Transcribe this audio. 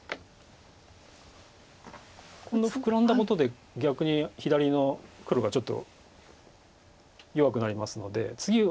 今度フクラんだことで逆に左の黒がちょっと弱くなりますので次は強烈になります